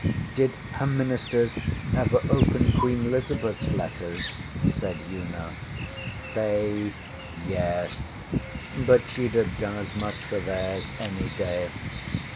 ŌĆÖ ŌĆśDid her ministers ever open Queen ElizabethŌĆÖs letters? ŌĆÖ said Una. ŌĆśFaith, yes! But sheŌĆÖd have done as much for theirs, any day.